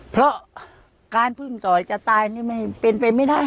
เพราะการพึ่งต่อยจะตายนี่ไม่เป็นไปไม่ได้